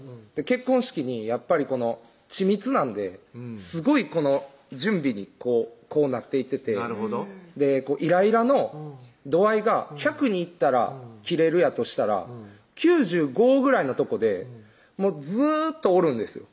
結婚式にやっぱり緻密なんですごい準備にこうなっていっててイライラの度合いが１００にいったらキレるやとしたら９５ぐらいのとこでもうずーっとおるんですよ